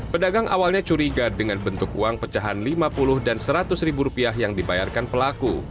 pedagang awalnya curiga dengan bentuk uang pecahan lima puluh dan seratus ribu rupiah yang dibayarkan pelaku